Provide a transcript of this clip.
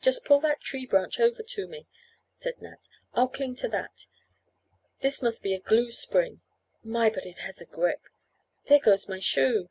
"Just pull that tree branch over to me," said Nat, "and I'll cling to that. This must be a glue spring. My, but it has a grip! There goes my shoe."